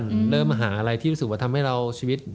ก็ได้เริ่มหาอะไรที่ธรรมให้เราชีวิต